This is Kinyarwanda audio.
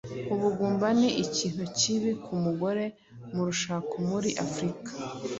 ubugumba ni ikintu kibi ku mugore mu rushako muri africa